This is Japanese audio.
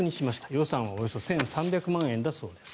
予算はおよそ１３００万円だそうです。